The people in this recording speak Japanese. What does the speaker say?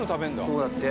そうだって。